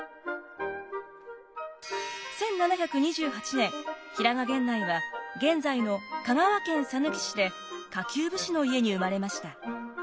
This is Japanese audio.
１７２８年平賀源内は現在の香川県さぬき市で下級武士の家に生まれました。